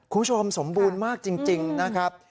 คุณผู้ชมสมบูรณ์มากจริงนะครับ